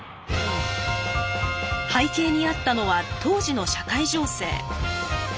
背景にあったのは当時の社会情勢。